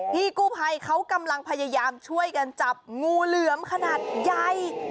พี่กู้ภัยเขากำลังพยายามช่วยกันจับงูเหลือมขนาดใหญ่